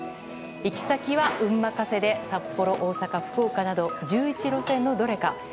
行き先は運任せで札幌、大阪、福岡など１１路線のどれか。